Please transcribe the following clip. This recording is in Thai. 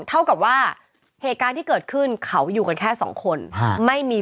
เท่ากับว่าเหตุการณ์ที่เกิดขึ้นเขาอยู่กันแค่สองคนไม่มี